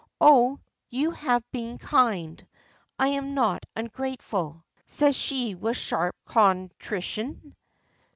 "Oh, you have been kind! I am not ungrateful," says she with sharp contrition.